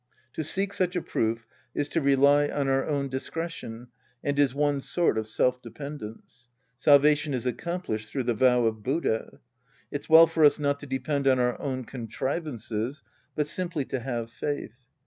To seek such a proof is to rely on our own discretion and is one sort of self dependence. Salvation is accomplished through the vow of Buddha. It's well for us not to depend on our own contrivances, but simply to have faith.